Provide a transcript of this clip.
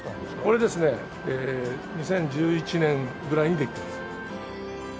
これですね２０１１年ぐらいにできてます。